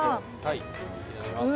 いただきますわあ！